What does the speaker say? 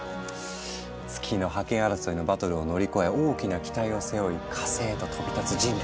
月の覇権争いのバトルを乗り越え大きな期待を背負い火星へと飛び立つ人類！